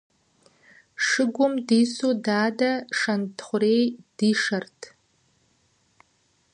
Шыгум дису дадэ Шэнтхъурей дишэрт.